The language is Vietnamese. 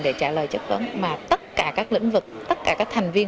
để trả lời chất vấn mà tất cả các lĩnh vực tất cả các thành viên